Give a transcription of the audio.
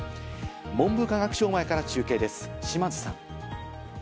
文部科学省前から中継です、島津さん。